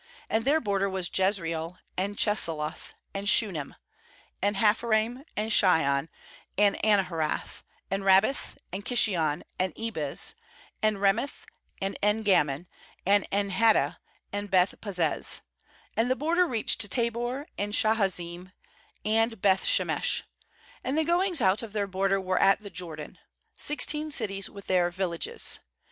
18And their border was Jezreel, and Chesulloth, and Shunem; 19and Hapharaim, and Shion, and Anaharath; 20and Rabbith, and Kishion, and Ebez; ^and Remeth, and En gannim, and En haddah, and Beth pazzez; ^and the border reached to Tabor, and Shahazim, and Beth shemesh; and the goings out of their border were at the Jordan; six teen cities with their villages.